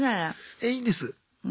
えいいんです。